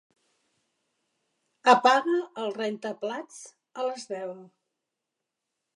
Apaga el rentaplats a les deu.